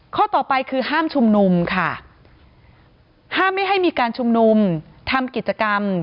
ข้อต่อไปคือห้ามชุมนุมค่ะห้ามไม่ให้มีการชุมนุมทำกิจกรรม